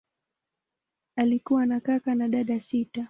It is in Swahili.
Alikuwa na kaka na dada sita.